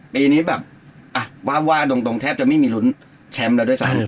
ปีนี้แบบอ่ะวาบตรงแทบจะไม่มีลุ้นแชมป์แล้วด้วยซ้ำ